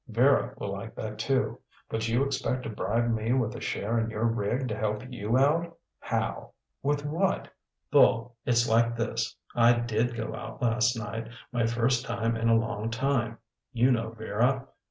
Vera will like that, too. But you expect to bribe me with a share in your rig to help you out. How? With what?" "Bull, it's like this. I did go out last night, my first time in a long time. You know Vera.